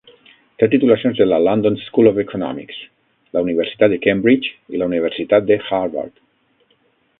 Té titulacions de la London School of Economics, la Universitat de Cambridge i la Universitat de Harvard.